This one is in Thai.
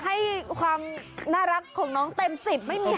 ลูกสาวดีฉันขอให้ความน่ารักของน้องเต็ม๑๐ไม่มีหัก